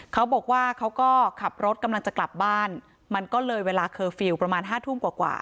เขาบอกว่าเขาก็ขับรถกำลังจะกลับบ้านมันก็เลยเวลาเคอร์ฟิลประมาณห้าทุ่มกว่ากว่า